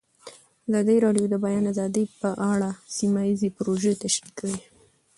ازادي راډیو د د بیان آزادي په اړه سیمه ییزې پروژې تشریح کړې.